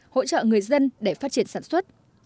hỗ trợ người dân để phát triển sản xuất